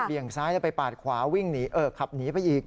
ี่ยงซ้ายแล้วไปปาดขวาวิ่งหนีเออขับหนีไปอีก